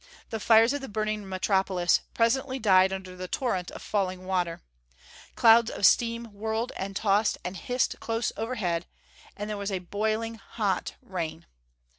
The fires of the burning metropolis presently died under the torrent of falling water. Clouds of steam whirled and tossed and hissed close overhead, and there was a boiling hot rain.